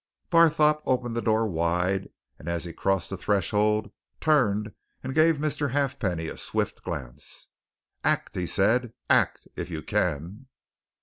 Barthorpe opened the door wide, and as he crossed the threshold, turned and gave Mr. Halfpenny a swift glance. "Act!" he said. "Act! if you can!"